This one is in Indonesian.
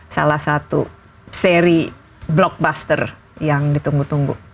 salah satu seri blockbuster yang ditunggu tunggu